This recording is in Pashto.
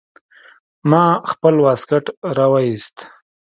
ما خپل واسکټ راوايست.